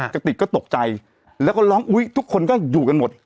กระติกก็ตกใจแล้วก็ร้องอุ๊ยทุกคนก็อยู่กันหมด